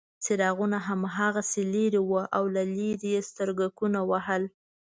څراغونه هماغسې لرې وو او له لرې یې سترګکونه وهل.